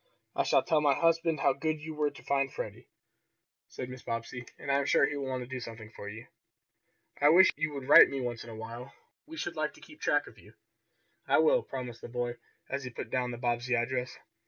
"I shall tell my husband how good you were to find Freddie," said Mrs. Bobbsey, "and I am sure he will want to do something for you. I wish you would write to me once in a while. We should like to keep track of you." "I will," promised the boy, as he put down the Bobbsey address.